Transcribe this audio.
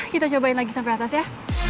kita cobain lagi sampai atas ya